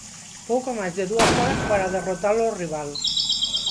Pouco máis de dúas horas para derrotar o rival.